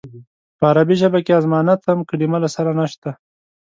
په عربي ژبه کې اظماننتم کلمه له سره نشته.